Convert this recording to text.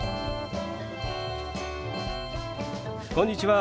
こんにちは。